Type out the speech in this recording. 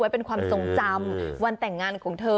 เป็นความทรงจำวันแต่งงานของเธอ